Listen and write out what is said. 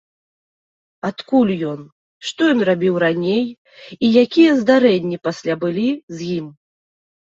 Адкуль ён, што ён рабіў раней і якія здарэнні пасля былі з ім?